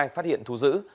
phát hiện thú dữ